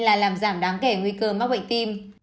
là làm giảm đáng kể nguy cơ mắc bệnh tim